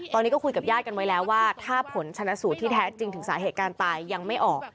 ตอนนี้ก็คุยกับญาติกันไว้แล้วว่าถ้าผลชนะสูตรที่แท้จริงถึงสาเหตุการณ์ตายยังไม่ออก